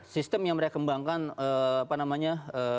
sistem yang mereka kembangkan apa namanya